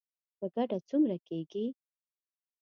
په ګډه څومره کیږي؟